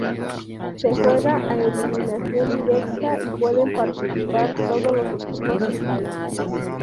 Se juega a eliminación directa y pueden participar todos los equipos del país.